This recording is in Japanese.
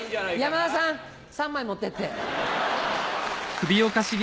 山田さん３枚持ってって。